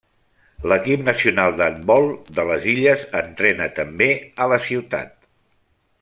L'equip nacional d'handbol de les illes entrena també a la ciutat.